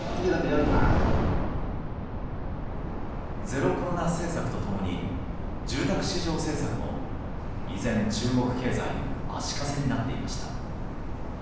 ゼロコロナ政策と共に住宅市場政策も依然、中国経済の足かせになっていました。